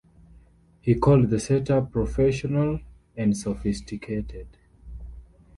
He called the set-up "professional and sophisticated".